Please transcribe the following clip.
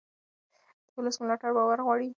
د ولس ملاتړ باور غواړي